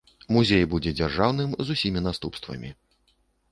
Музей будзе дзяржаўным з усімі наступствамі.